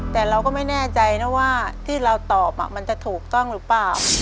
แต่เราก็ไม่แน่ใจนะว่าที่เราตอบมันจะถูกต้องหรือเปล่า